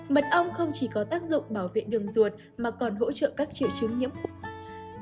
mật ong không chỉ có tác dụng bảo vệ đường ruột mà còn hỗ trợ các triệu chứng nhiễm khuẩn